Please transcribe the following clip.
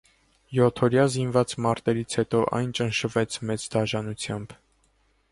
Յոթօրյա զինված մարտերից հետո այն ճնշվեց մեծ դաժանությամբ։